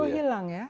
keburu hilang ya